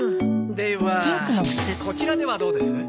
ではこちらではどうです？